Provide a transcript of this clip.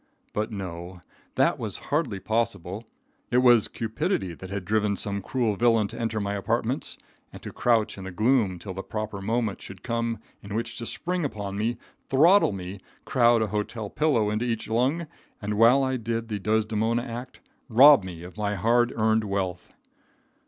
But no. That was hardly possible. It was cupidity that had driven some cruel villain to enter my apartments and to crouch in the gloom till the proper moment should come in which to spring upon me, throttle me, crowd a hotel pillow into each lung, and, while I did the Desdemona act, rob me of my hard earned wealth.